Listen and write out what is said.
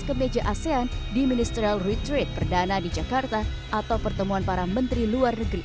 kemeja asean di ministerial retreat perdana di jakarta atau pertemuan para menteri luar negeri